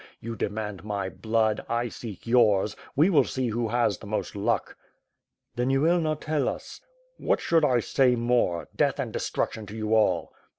You demand my blood, I seek yours; we will see who has the most luck." « "Then, you will not tell us?" ^^Vhat should I say more — death and destruction to you all."